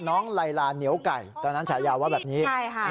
ไลลาเหนียวไก่ตอนนั้นฉายาว่าแบบนี้ใช่ค่ะ